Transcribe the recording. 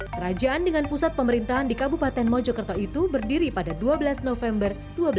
kerajaan dengan pusat pemerintahan di kabupaten mojokerto itu berdiri pada dua belas november seribu dua ratus sembilan puluh tiga